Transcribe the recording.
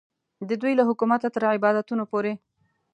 د دوی له حکومته تر عبادتونو پورې.